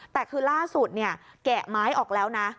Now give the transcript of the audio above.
แต่คือล่าสุดเนี่ยแกะไม้ออกแล้วนะ